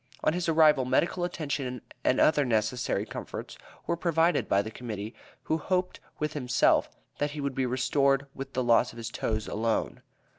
On his arrival medical attention and other necessary comforts were provided by the Committee, who hoped with himself, that he would be restored with the loss of his toes alone.